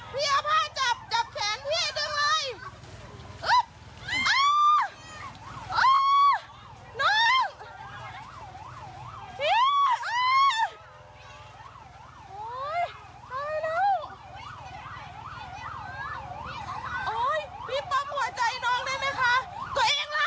ลากหัวใจน้องได้มั้ยคะ